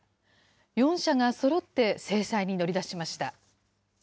４者がそろって制裁に乗り出しました。